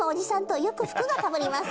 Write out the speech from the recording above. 「よく服がかぶります」